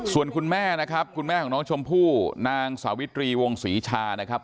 ส่วนคุณแม่นะครับคุณแม่ของน้องชมพู่นางสาวิตรีวงศรีชานะครับ